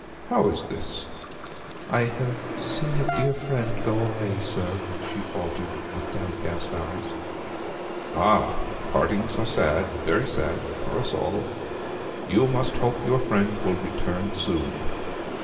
'How is this!' 'I have seen a dear friend go away, sir,' she faltered, with downcast eyes. 'Ah partings are sad very sad for us all. You must hope your friend will return soon.